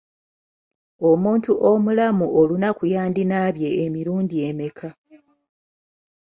Omuntu omulamu olunaku yandinaabye emirundi emeka?